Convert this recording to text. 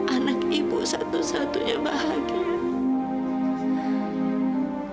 anak ibu satu satunya bahagia